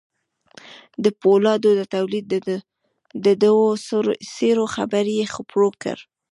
د پولادو د توليد د دوو څېرو خبر يې خپور کړ.